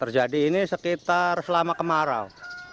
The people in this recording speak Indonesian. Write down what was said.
terjadi ini sekitar selama kemarau